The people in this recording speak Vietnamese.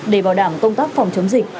để bảo đảm công tác phòng chống dịch